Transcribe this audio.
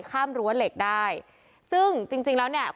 ข้ามรั้วเหล็กได้ซึ่งจริงแล้วเนี่ย